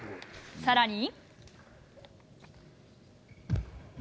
さらに。